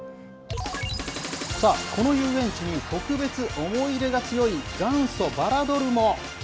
さあ、この遊園地に、特別思い入れが強い元祖バラドルも。